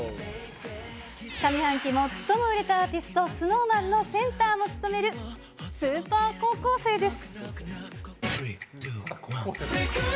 上半期、最も売れたアーティスト、ＳｎｏｗＭａｎのセンターも務めるスーパー高校生です。